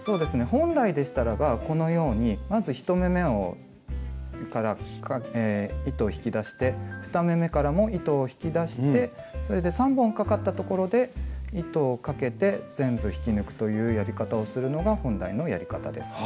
本来でしたらばこのようにまず１目めを糸を引き出して２目めからも糸を引き出してそれで３本かかったところで糸をかけて全部引き抜くというやり方をするのが本来のやり方です。